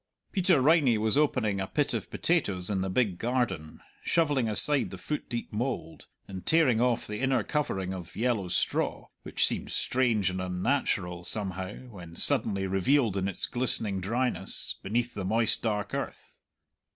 Peter Riney was opening a pit of potatoes in the big garden, shovelling aside the foot deep mould, and tearing off the inner covering of yellow straw which seemed strange and unnatural, somehow, when suddenly revealed in its glistening dryness, beneath the moist dark earth.